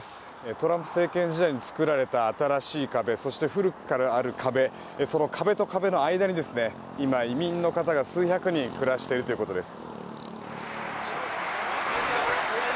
トランプ政権時代に作られた新しい壁そして、古くからある壁その壁と壁の間に今、移民の方が数百人暮らしているということです。